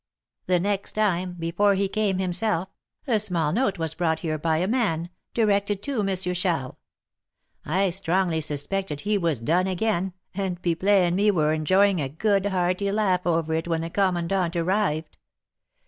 The next time, before he came himself, a small note was brought here by a man, directed to M. Charles; I strongly suspected he was done again, and Pipelet and me were enjoying a hearty good laugh over it when the commandant arrived.